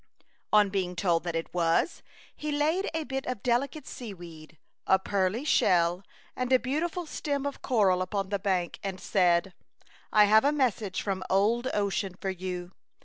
On being told that it was, he laid A Chautauqua Idyl. 91 a bit of delicate sea weed, a pearly shell, and a beautiful stem of coral upon the bank, and said :" I have a message from Old Ocean for you.